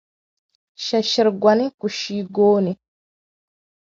Shɛshɛri' goni ku she gooni.